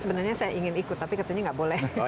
sebenarnya saya ingin ikut tapi katanya nggak boleh